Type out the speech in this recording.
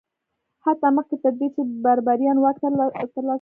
حتی مخکې تر دې چې بربریان واک ترلاسه کړي